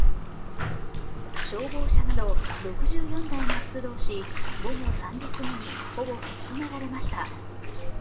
消防車など６４台が出動し午後３時すぎにほぼ消し止められました。